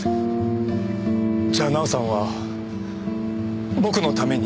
じゃあ奈緒さんは僕のために。